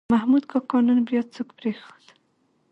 محمود کاکا نن بیا څوک پرېښود.